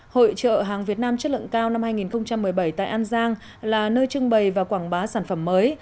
hội trợ hàng việt nam chất lượng cao năm hai nghìn một mươi bảy tại an giang là nơi trưng bày và quảng bá sản phẩm mới